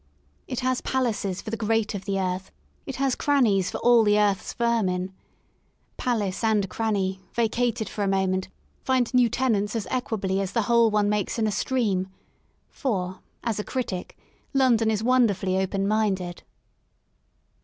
It has palaces for the great of the earth, it has crannies for all the earth's verniin. Palace and cranny, vacated for a moment, find new tenants as equably as the hole one makes in a stream — for, as a critic, London is wonderfully open minded.